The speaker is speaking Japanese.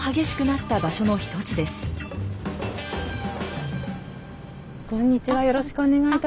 あっこんにちは。